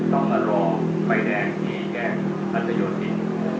ต้องระวังไฟแดงที่เอกรัศโยธิน